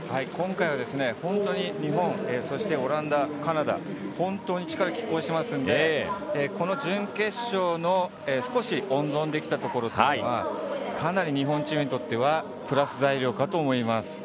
今回は日本そして、オランダ、カナダ本当に力、きっ抗してますのでこの準決勝少し温存できたところというのはかなり日本チームにとってはプラス材料かと思います。